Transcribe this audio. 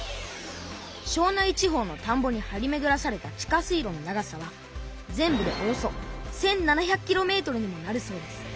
庄内地方のたんぼにはりめぐらされた地下水路の長さは全部でおよそ１，７００キロメートルにもなるそうです。